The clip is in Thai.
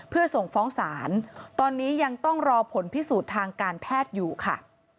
เพื่อส่งฟ้องศาลตอนนี้ยังต้องรอผลพิสูจน์ทางการแพทย์อยู่ค่ะ